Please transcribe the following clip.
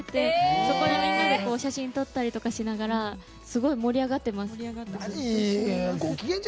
そこで、みんなで写真撮ったりしながらすごい盛り上がっています。